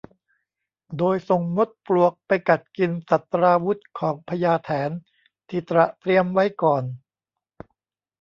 โดยส่งมดปลวกไปกัดกินศัตราวุธของพญาแถนที่ตระเตรียมไว้ก่อน